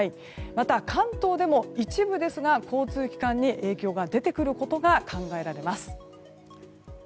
また、関東でも一部ですが交通機関に影響が出てくることが考えられます。